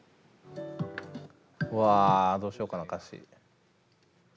うわどうしようかな歌詞。